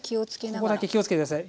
ここだけ気を付けて下さい。